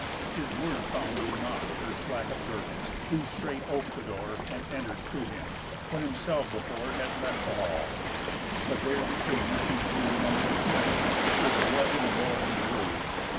His word found in nought Her slack observance, who straight op'd the door And enter'd to him; when himself before Had left the hall. But there the King she view'd Amongst the slain, with blood and gore imbrued.